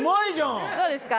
どうですか？